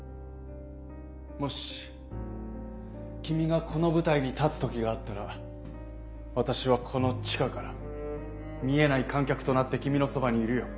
もし君がこの舞台に立つ時があったら私はこの地下から見えない観客となって君のそばにいるよ